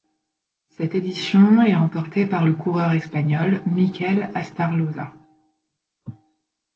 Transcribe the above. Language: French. Cette édition est remportée par le coureur espagnol Mikel Astarloza.